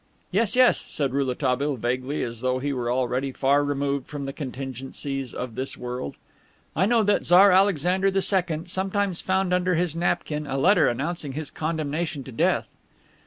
"Yes, yes," said Rouletabille, vaguely, as though he were already far removed from the contingencies of this world. "I know that Czar Alexander II sometimes found under his napkin a letter announcing his condemnation to death."